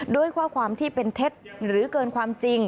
ด้วยข้อความที่เป็นเท็จหรือเกินความจริง